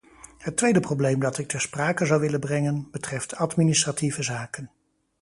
Het tweede probleem dat ik ter sprake zou willen brengen, betreft administratieve zaken.